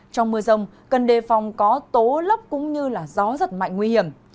trong mưa rông cân đề phòng có tố lấp cũng như gió rất mạnh nguy hiểm